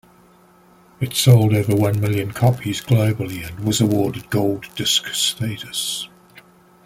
It sold over one million copies globally, and was awarded gold disc status.